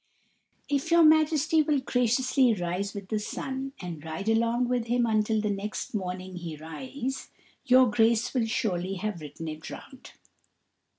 "If your Majesty will graciously rise with the sun, and ride along with him until the next morning he rise, your Grace will surely have ridden it round."